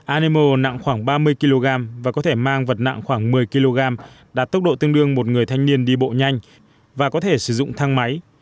amemo nặng khoảng ba mươi kg và có thể mang vật nặng khoảng một mươi kg đạt tốc độ tương đương một người thanh niên đi bộ nhanh và có thể sử dụng thang máy